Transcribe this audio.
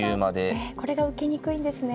これが受けにくいんですね。